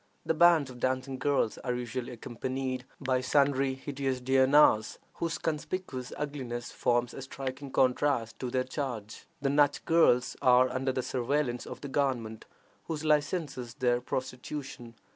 The bands of dancing girls are usually accompanied by sundry hideous duennas, whose conspicuous ugliness forms a striking contrast to their charge. The Nach girls are under the surveillance of the government, which licenses their prostitution.